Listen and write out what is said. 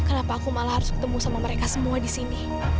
kenapa aku malah harus ketemu sama mereka semua di sini